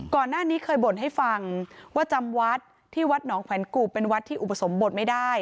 ก่อนหน้านี้เคยบ่นให้ฟังว่าจำวัดที่วัดหนองแขวนกูบเป็นวัดที่อุปสมบทไม่ได้